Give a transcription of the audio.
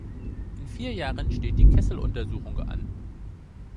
In vier Jahren steht die Kessel-Untersuchung an.